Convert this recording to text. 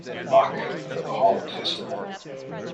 Bach, for the Holland Festival.